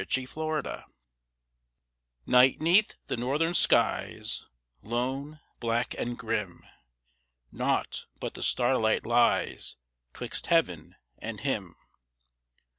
THE CAMPER Night 'neath the northern skies, lone, black, and grim: Naught but the starlight lies 'twixt heaven, and him.